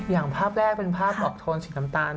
อย่างภาพแรกเป็นภาพออกโทนสีน้ำตาล